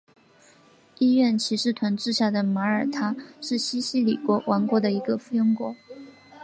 医院骑士团治下的马耳他是西西里王国的一个附庸国。